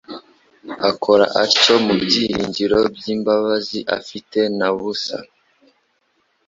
Ukora atyo mu byiringiro by'imbabazi afite na busa;